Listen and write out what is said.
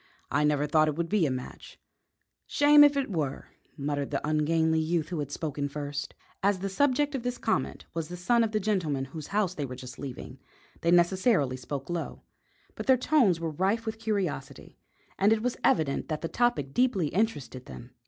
"I never thought it would be a match." "Shame if it were!" muttered the ungainly youth who had spoken first. As the subject of this comment was the son of the gentleman whose house they were just leaving, they necessarily spoke low; but their tones were rife with curiosity, and it was evident that the topic deeply interested them.